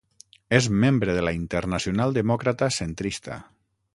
És membre de la Internacional demòcrata centrista.